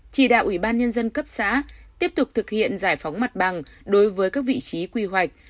chỉ đạo ủy ban nhân dân cấp xã tiếp tục thực hiện giải phóng mặt bằng đối với các vị trí quy hoạch